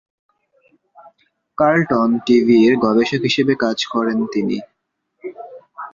Carlton টিভি’র গবেষক হিসেবে কাজ করেন তিনি।